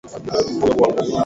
Asali ni tamu sana.